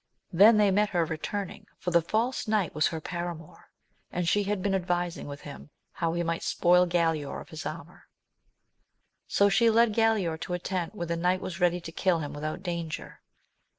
Then they met her returning, for the false knight was her para mour, and she had been advising with him how he might spoil Galaor of his armour. So she led Galaor to a tent, where the knight was ready to kill him without danger.